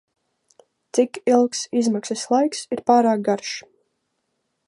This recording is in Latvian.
Cik ilgs izmaksas laiks ir pārāk garš?